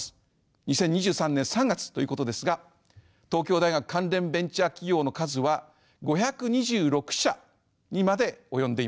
２０２３年３月ということですが東京大学関連ベンチャー企業の数は５２６社にまで及んでいます。